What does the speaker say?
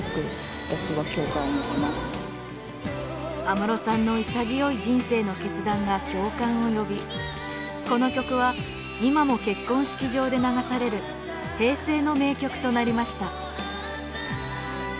安室さんの潔い人生の決断が共感を呼びこの曲は今も結婚式場で流される平成の名曲となりました。